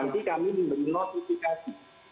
nanti kami memberi notifikasi